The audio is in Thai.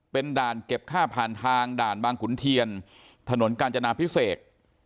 เป็นด่านเก็บค่าผ่านทางด่านบางขุนเทียนถนนกาญจนาพิเศษ